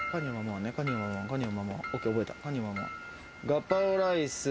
ガパオライス。